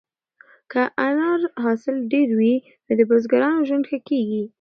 که د انار حاصل ډېر وي نو د بزګرانو ژوند ښه کیږي.